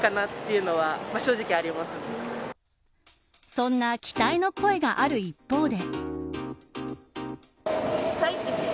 そんな期待の声がある一方で。